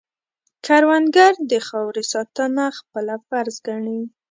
کروندګر د خاورې ساتنه خپله فرض ګڼي